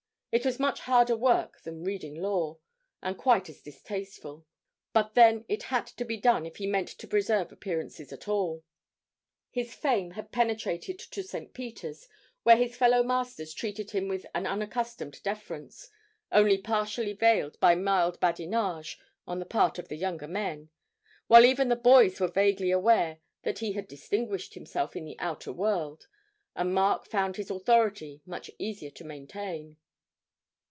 It was much harder work than reading law, and quite as distasteful; but then it had to be done if he meant to preserve appearances at all. His fame had penetrated to St. Peter's, where his fellow masters treated him with an unaccustomed deference, only partially veiled by mild badinage on the part of the younger men; while even the boys were vaguely aware that he had distinguished himself in the outer world, and Mark found his authority much easier to maintain.